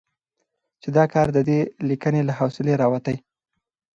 چې دا کار د دې ليکنې له حوصلې راوتې